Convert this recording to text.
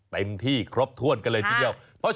เต็มที่ครบถ้วนกันเลยทีเดียว